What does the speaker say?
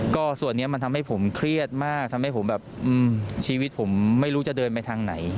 ก็ส่วนนี้มันทำให้ผมเครียดมากทำให้ผมแบบชีวิตผมไม่รู้จะเดินไปทางไหน